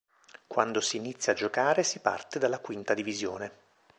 Quando si inizia a giocare si parte dalla Quinta divisione.